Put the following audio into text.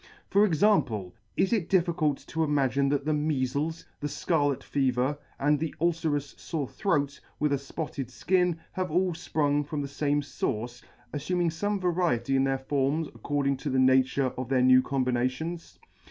For example, is it difficult to imagine that the meafles, the fcarlet fever, and the ulcerous fore throat with a fpotted fkin, have all fprung from the lame fource, affuming fome variety in their forms according to .the nature of their new combinations